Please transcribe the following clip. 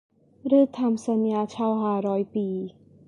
หรือทำสัญญาเช่าห้าร้อยปี